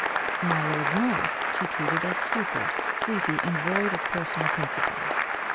My lord North she treated as stupid, sleepy, and void of personal principle.